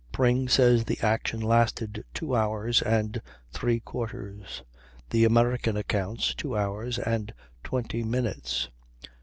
Pring says the action lasted two hours and three quarters, the American accounts, two hours and twenty minutes.